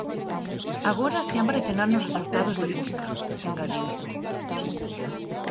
Agora si aparecerá nos resultados de busca, engadiu.